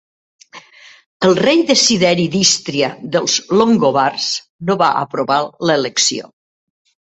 El rei Desideri d'Ístria dels longobards no va aprovar l'elecció.